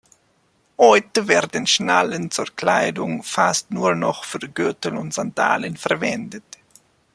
Heute werden Schnallen zur Kleidung fast nur noch für Gürtel und Sandalen verwendet.